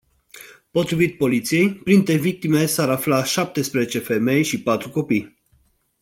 Potrivit poliției, printre victime sar afla șaptesprezece femei și patru copii.